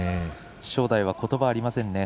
正代はことばがありません。